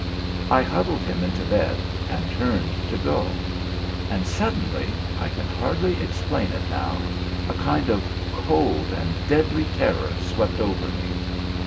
I huddled him into bed and turned to go. And suddenly, I can hardly explain it now, a kind of cold and deadly terror swept over me.